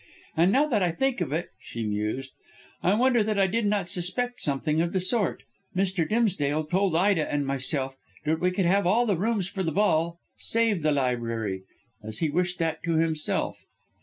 And, now that I think of it," she mused, "I wonder that I did not suspect something of the sort. Mr. Dimsdale told Ida and myself that we could have all the rooms for the ball save the library, as he wished that to himself."